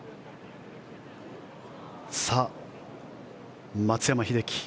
さあ、松山英樹